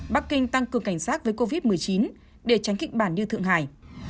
bắc kinh tăng cường cảnh sát với covid một mươi chín để tránh kịch bản như thượng hải